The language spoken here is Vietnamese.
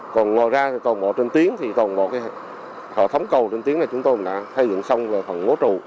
còn ngồi ra tổng hộ trên tiếng tổng hộ thống cầu trên tiếng là chúng tôi đã thay dựng xong phần ngố trù